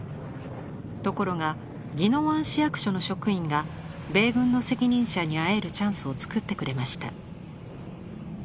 ところが宜野湾市役所の職員が米軍の責任者に会えるチャンスをつくってくれました。